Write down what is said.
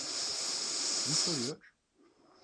Kim soruyor?